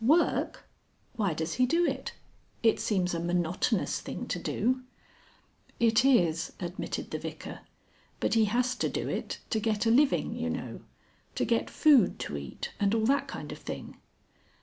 "Work! Why does he do it? It seems a monotonous thing to do." "It is," admitted the Vicar. "But he has to do it to get a living, you know. To get food to eat and all that kind of thing."